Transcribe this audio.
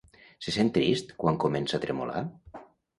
Se sent trist quan comença a tremolar?